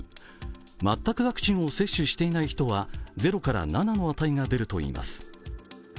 全くワクチンを接種していない人は０から７の値が出るといいます。